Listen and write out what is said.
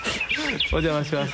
お邪魔します。